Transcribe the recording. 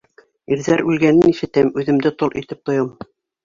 Ирҙәр үлгәнен ишетһәм, үҙемде тол итеп тоям.